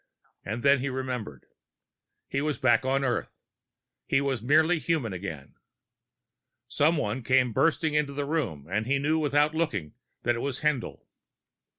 And then he remembered. He was back on Earth; he was merely human again. Someone came bustling into the room and he knew without looking that it was Haendl.